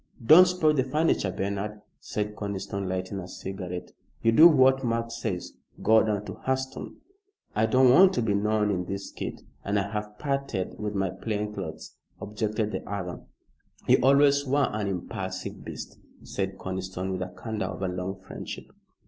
"Don't spoil the furniture, Bernard," said Conniston, lighting a cigarette. "You do what Mark says. Go down to Hurseton." "I don't want to be known in this kit, and I have parted with my plain clothes," objected the other. "You always were an impulsive beast," said Conniston, with the candour of a long friendship.